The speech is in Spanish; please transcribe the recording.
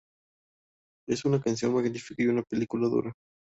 Es una canción magnífica y una película dura.